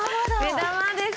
目玉です。